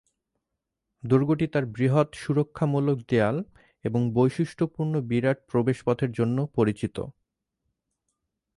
দুর্গটি তার বৃহৎ সুরক্ষামূলক দেয়াল এবং বৈশিষ্ট্যপূর্ণ বিরাট প্রবেশপথের জন্য পরিচিত।